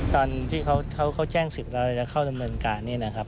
ตอนที่เขาแจ้งสิทธิ์แล้วเราจะเข้าดำเนินการนี่นะครับ